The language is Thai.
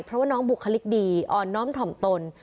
เพราะว่าน้องบุคลิกดีอ่อนน้อมถ่อมตน